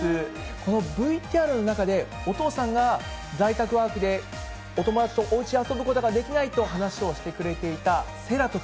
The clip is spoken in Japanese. このＶＴＲの中で、お父さんが在宅ワークでお友達とおうちで遊ぶことができないと話をしてくれていたせらと君。